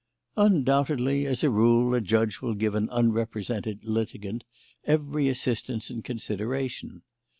"Undoubtedly, as a rule, a judge will give an unrepresented litigant every assistance and consideration.